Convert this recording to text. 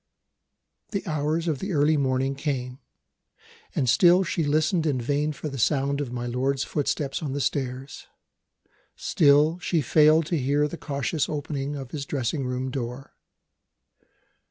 The hours of the early morning came; and still she listened in vain for the sound of my lord's footstep on the stairs; still she failed to hear the cautious opening of his dressing room door.